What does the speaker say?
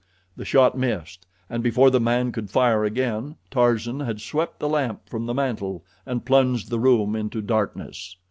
The shot missed, and before the man could fire again Tarzan had swept the lamp from the mantel and plunged the room into darkness.